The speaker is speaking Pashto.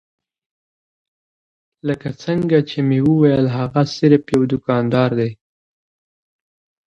لکه څنګه چې مې وويل هغه صرف يو دوکاندار دی.